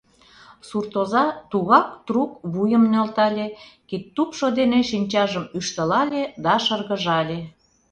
Суртоза тугак трук вуйым нӧлтале, кидтупшо дене шинчажым ӱштылале да шыргыжале.